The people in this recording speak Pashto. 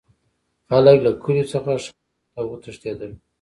خلک له کلیو څخه ښارونو ته وتښتیدل.